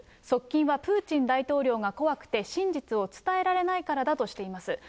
側近はプーチン大統領が怖くて、真実を伝えられないからだとしています。